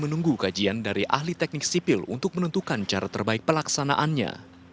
menunggu kajian dari ahli teknik sipil untuk menentukan cara terbaik pelaksanaannya